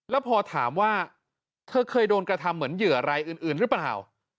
แล้วพอถามว่าเธอเคยโดนกระทำเหมือนเหยื่ออะไรอื่นหรือเปล่า